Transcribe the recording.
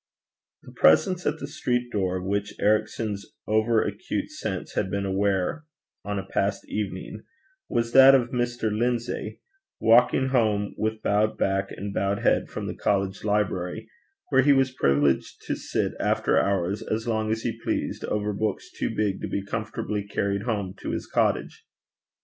The presence at the street door of which Ericson's over acute sense had been aware on a past evening, was that of Mr. Lindsay, walking home with bowed back and bowed head from the college library, where he was privileged to sit after hours as long as he pleased over books too big to be comfortably carried home to his cottage.